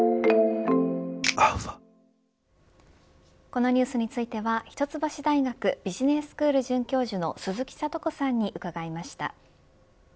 このニュースについては一橋大学ビジネススクール准教授の鈴木智子さんに伺いました。